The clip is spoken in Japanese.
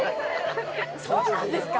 そうなんですか？